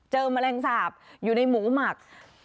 แมลงสาปอยู่ในหมูหมัก